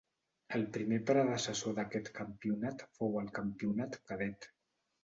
El primer predecessor d'aquest campionat fou el Campionat Cadet.